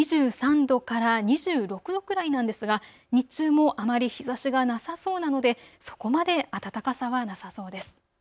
最高気温は２３度から２６度くらいなんですが、日中もあまり日ざしがなさそうなのでそこまで暖かさはなさそうです。